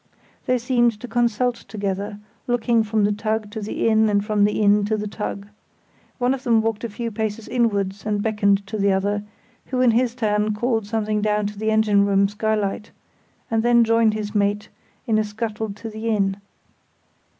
They seemed to consult together, looking from the tug to the inn and from the inn to the tug. One of them walked a few paces inn wards and beckoned to the other, who in his turn called something down the engine room skylight, and then joined his mate in a scuttle to the inn.